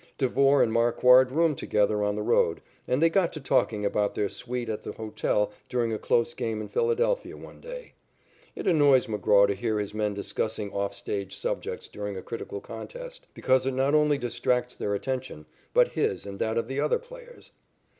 Devore and Marquard room together on the road, and they got to talking about their suite at the hotel during a close game in Philadelphia one day. It annoys McGraw to hear his men discussing off stage subjects during a critical contest, because it not only distracts their attention, but his and that of the other players.